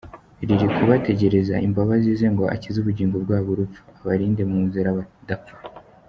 riri ku bategereza imbabazi ze ngo akize ubugingo bwabo urupfu, abarinde mu nzara badapfa.